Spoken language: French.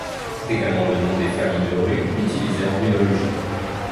C’est également le nom des familles de runes utilisé en runologie.